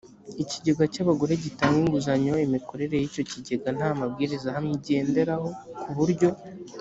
ikigega cy abagore gitanga inguzanyo imikorere y icyo kigega nta mabwiriza ahamye igenderaho ku buryo